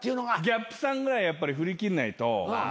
ＧＡＰさんぐらいやっぱり振り切んないと。